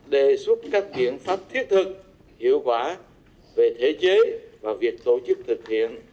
đề xuất các biện pháp thiết thực hiệu quả về thể chế và việc tổ chức thực hiện